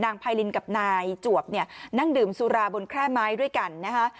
ไพรินกับนายจวบเนี่ยนั่งดื่มสุราบนแคร่ไม้ด้วยกันนะคะ